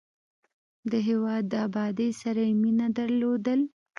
د هېواد د ابادۍ سره یې مینه درلودل.